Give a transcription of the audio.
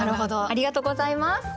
ありがとうございます。